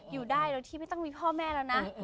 อยู่ได้โดยที่ไม่ต้องมีพ่อแม่แล้วนะ